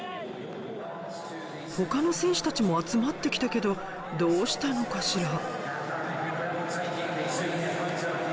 他の選手たちも集まって来たけどどうしたのかしら？